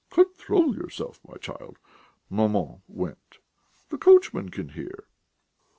"Control yourself, my child," maman wept; "the coachman can hear!"